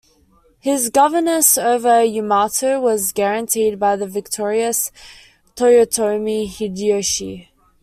His governance over Yamato was guaranteed by the victorious Toyotomi Hideyoshi.